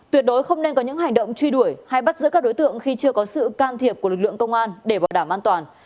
tuyệt đối không nên có những hành động truy đuổi hay bắt giữ các đối tượng khi chưa có sự can thiệp của lực lượng công an để bảo đảm an toàn